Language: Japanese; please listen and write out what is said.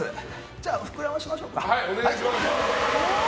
じゃあ膨らませましょうか。